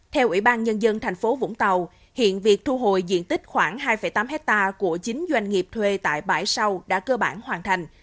theo ủy ban nhân dân thành phố vũng tàu hiện việc thu hồi diện tích khoảng hai tám hectare của chín doanh nghiệp thuê tại bãi sau đã cơ bản hoàn thành